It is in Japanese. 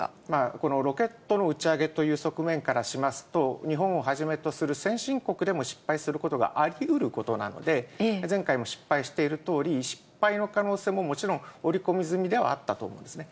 このロケットの打ち上げという側面からしますと、日本をはじめとする先進国でも失敗することがありうることなので、前回も失敗しているとおり、失敗の可能性ももちろん織り込み済みではあったと思うんですね。